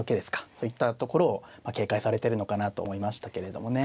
そういったところを警戒されてるのかなと思いましたけれどもね。